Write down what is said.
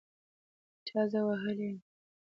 چا زه وهلي یم